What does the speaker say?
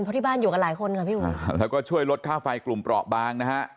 เพราะที่บ้านอยู่กันหลายคนค่ะพี่อุ๋ยแล้วก็ช่วยลดค่าไฟกลุ่มเปราะบางนะฮะ